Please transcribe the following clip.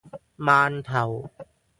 饅頭